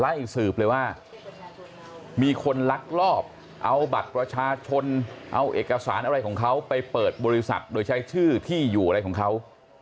ไล่สืบเลยว่ามีคนลักลอบเอาบัตรประชาชนเอาเอกสารอะไรของเขาไปเปิดบริษัทโดยใช้ชื่อที่อยู่อะไรของเขา